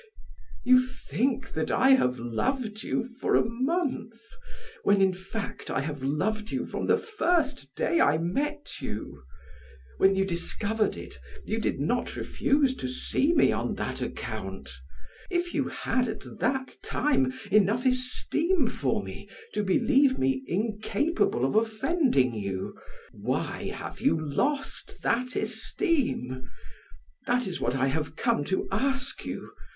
You think that I have loved you for a month, when in fact I have loved you from the first day I met you. When you discovered it, you did not refuse to see me on that account. If you had at that time enough esteem for me to believe me incapable of offending you, why have you lost that esteem? That is what I have come to ask you.